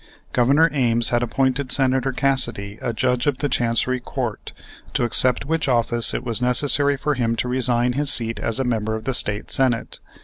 Governor Ames had appointed Senator Cassidy a Judge of the Chancery Court, to accept which office it was necessary for him to resign his seat as a member of the State Senate.